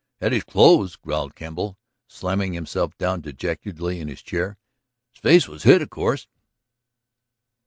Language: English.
"At his clothes," growled Kemble, slamming himself down dejectedly in his chair. "His face was hid, of course."